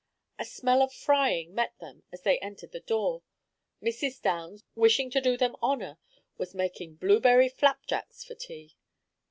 A smell of frying met them as they entered the door. Mrs. Downs, wishing to do them honor, was making blueberry flapjacks for tea.